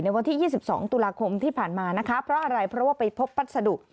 ในวันที่ยี่สิบสองธุ์ลาคมที่ผ่านมานะคะเพราะอะไรเพราะว่าไปพบพัศดุ